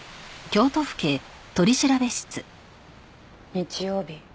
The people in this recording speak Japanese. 日曜日